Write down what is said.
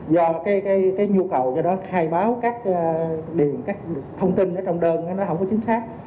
do cái nhu cầu cho đó khai báo các điền các thông tin trong đơn nó không có chính xác